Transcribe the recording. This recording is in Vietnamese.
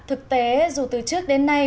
thực tế dù từ trước đến nay